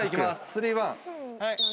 ３−１。